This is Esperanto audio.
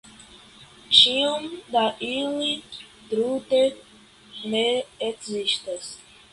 Tiom da ili tute ne ekzistas.